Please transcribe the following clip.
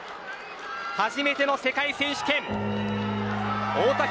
初めての世界選手権太田彪